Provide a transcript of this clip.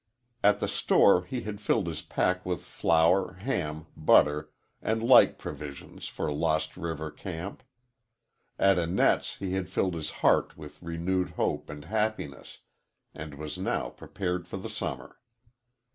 At the store he had filled his pack with flour, ham, butter, and like provisions for Lost River camp. At Annette's he had filled his heart with renewed hope and happiness and was now prepared for the summer.